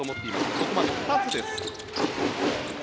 ここまで２つです。